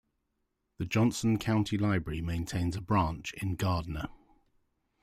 The Johnson County Library maintains a branch in Gardner.